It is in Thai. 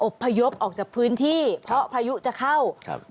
พยพออกจากพื้นที่เพราะพายุจะเข้าครับ